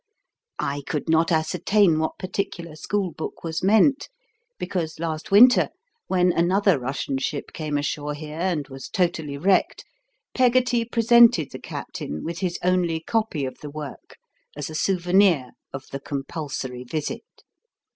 I could not ascertain what particular school book was meant, because last winter, when another Russian ship came ashore here and was totally wrecked, Peggotty presented the captain with his only copy of the work as a souvenir of the compulsory visit.